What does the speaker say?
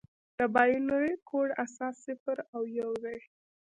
د بایونري کوډ اساس صفر او یو دي.